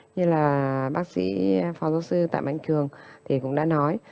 như là bác sĩ phó giáo sư tạm anh cường thì cũng đã nói